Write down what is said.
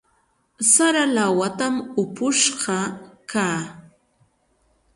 Sara lawatam upush kaa.